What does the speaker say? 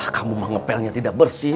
kamu mah ngepelnya tidak bersih